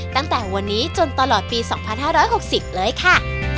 ตั้งแต่วันนี้จนตลอดปี๒๕๖๐เลยค่ะ